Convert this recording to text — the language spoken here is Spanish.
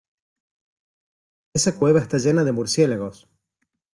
Esa cueva está llena de murciélagos.